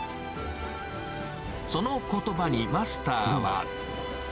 そのことばにマスターは。